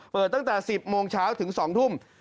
เปิดตั้งแต่๑๐โมงเช้าถึง๒ทุ่ม